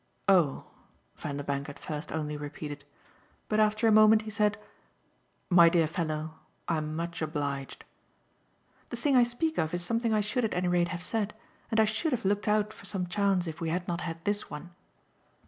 "Oh!" Vanderbank at first only repeated. But after a moment he said: "My dear fellow, I'm much obliged." "The thing I speak of is something I should at any rate have said, and I should have looked out for some chance if we had not had this one."